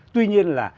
tuy nhiên là